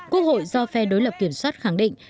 quốc hội do phe đối lập kiểm soát khẳng định